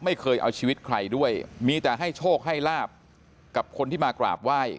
ไม่เคยเอาชีวิตใครด้วยมีแต่ให้โชคให้ลาบกับคนที่มากราบไหว้